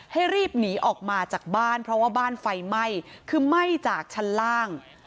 ให้รีบหนีออกมาจากบ้านเพราะว่าบ้านไฟไหม้คือไหม้จากชั้นล่าง